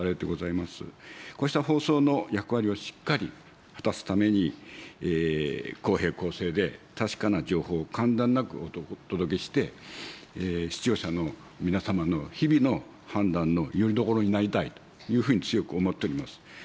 こうした放送の役割をしっかり果たすために、公平公正で確かな情報を間断なくお届けして、視聴者の皆様の日々の判断のよりどころになりたいというふうに強く思っております。